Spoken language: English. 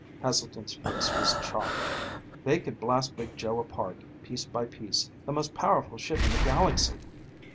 Heselton's face was chalk. "They could blast Big Joe apart, piece by piece the most powerful ship in the galaxy."